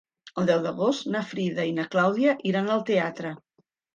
El deu d'agost na Frida i na Clàudia iran al teatre.